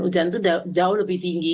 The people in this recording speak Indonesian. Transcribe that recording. hujan itu jauh lebih tinggi